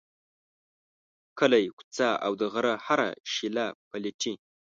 کلی، کوڅه او د غره هره شیله پلټي.